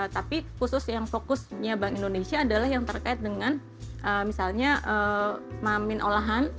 tapi khusus yang fokusnya bank indonesia adalah yang terkait dengan misalnya mamin olahan